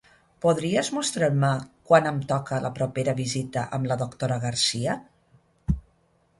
Podries mostrar-me quan em toca la propera visita amb la doctora Garcia?